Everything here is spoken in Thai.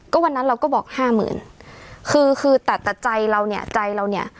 ก็วันนั้นเราก็บอกห้าหมื่นคือคือแต่แต่ใจเราเนี่ยใจเราเนี่ย